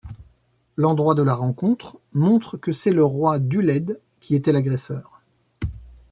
L'endroit de la rencontre montre que c'est le roi d'Ulaid qui était l'agresseur.